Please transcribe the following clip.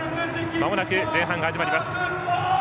まもなく前半が始まります。